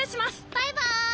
バイバーイ。